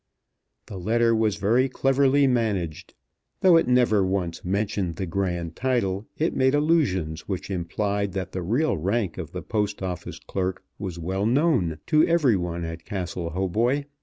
The letter was very cleverly managed. Though it never once mentioned the grand title it made allusions which implied that the real rank of the Post Office clerk was well known to every one at Castle Hautboy.